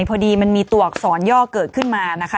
พอดีมันมีตัวอักษรย่อเกิดขึ้นมานะคะ